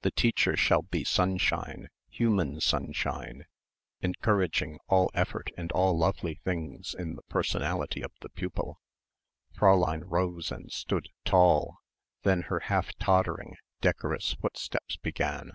The teacher shall be sunshine, human sunshine, encouraging all effort and all lovely things in the personality of the pupil." Fräulein rose and stood, tall. Then her half tottering decorous footsteps began.